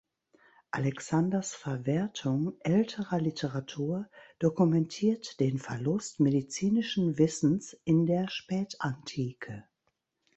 Alexanders Verwertung älterer Literatur dokumentiert den Verlust medizinischen Wissens in der Spätantike.